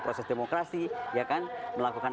proses demokrasi ya kan melakukan